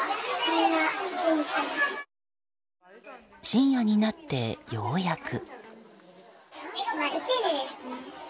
深夜になって、ようやく。